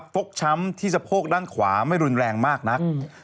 ฟกช้ำที่สะโพกด้านขวาไม่รุนแรงมากนัก